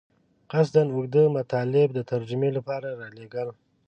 قصداً اوږده مطالب د ترجمې لپاره رالېږل.